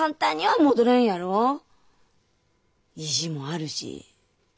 意地もあるし。